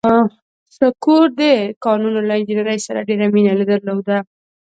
شکور د کانونو له انجنیرۍ سره ډېره مینه درلوده.